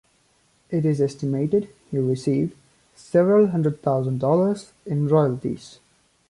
It is estimated he received several hundred thousand dollars in royalties.